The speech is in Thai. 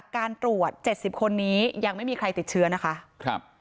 คนนี้ยังไม่มีใครติดเชื้อนะคะ